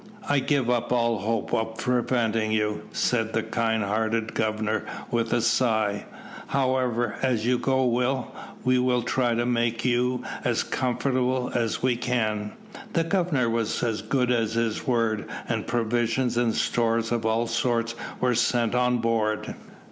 "I give up all hope of preventing you," said the kind hearted Governor, with a sigh. "However, as go you will, we will try to make you as comfortable as we can." The Governor was as good as his word, and provisions and stores of all sorts were sent on board.